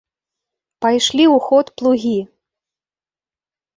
Пайшлі ў ход плугі.